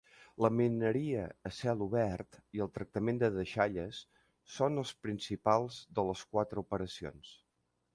La mineria a cel obert i el tractament de deixalles són les principals de les quatre operacions.